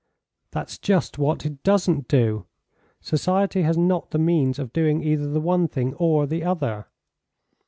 "That's just what it doesn't do. Society has not the means of doing either the one thing or the other."